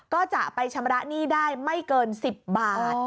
ก็จะไปชำระหนี้ได้ไม่เกิน๑๐บาท